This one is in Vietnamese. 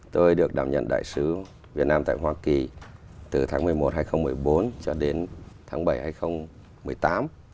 tôi được đảm nhận đại sứ việt nam tại hoa kỳ từ tháng một mươi một hai nghìn một mươi bốn cho đến tháng bảy hai nghìn một mươi tám